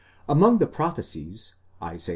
Among the prophecies, Isa.